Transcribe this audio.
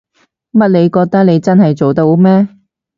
乜你覺得你真係做到咩？